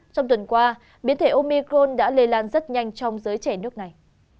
trong tuần qua biến thể omicron đã lây lan rất nhanh trong giới trẻ nước này